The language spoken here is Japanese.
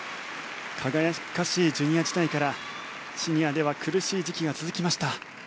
輝かしいジュニア時代からシニアでは苦しい時期が続きました。